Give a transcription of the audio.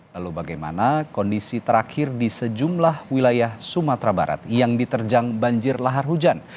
lalu bagaimana kondisi terakhir di sejumlah wilayah sumatera barat yang diterjang banjir lahar hujan